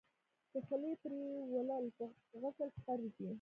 د خولې پریولل په غسل کي فرض دي.